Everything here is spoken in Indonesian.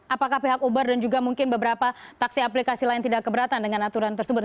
apakah pihak uber dan juga mungkin beberapa taksi aplikasi lain tidak keberatan dengan aturan tersebut